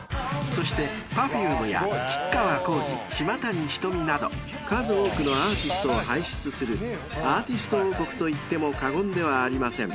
［そしてＰｅｒｆｕｍｅや吉川晃司島谷ひとみなど数多くのアーティストを輩出するアーティスト王国といっても過言ではありません］